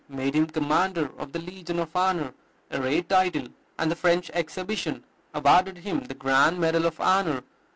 made him commander of the Legion of Honor, a rare title; and the French exhibition awarded him the grand medal of honor.